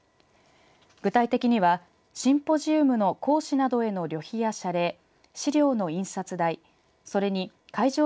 具体的にはシンポジウムの講師などへの旅費や謝礼、資料の印刷代、それに会場